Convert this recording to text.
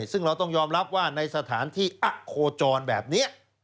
ซึ่งเราต้องยอมรับว่าในสถานที่อะโคจรแบบนี้